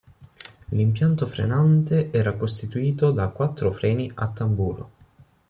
L'impianto frenante era costituito da quattro freni a tamburo.